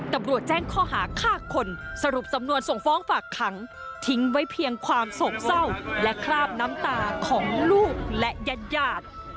ตำรวจแจ้งข้อหาฆ่าคนสรุปสำนวนส่งฟ้องฝากขังทิ้งไว้เพียงความโศกเศร้าและคราบน้ำตาของลูกและญาติยาด